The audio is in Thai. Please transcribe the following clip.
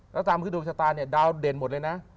แล้วตามคือดวงชะตาเนี่ยดาวเด่นหมดเลยนะ